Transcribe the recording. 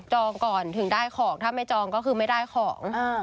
ก่อนถึงได้ของถ้าไม่จองก็คือไม่ได้ของ